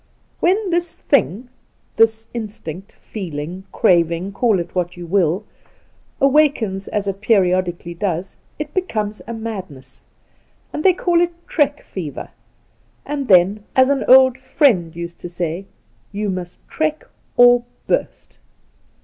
When this thing — this instinct, feeling, craving, call it what you will — awakens, as it periodically does, it becomes a madness, and they call it trek fever, and then, as an old friend used to say, ' You must trek or burst